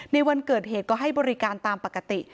ในวันเกิดเหตุก็ให้บริการตามปกติ